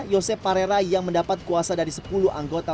yosep parera yang mendapat kuasa dari sepuluh anggota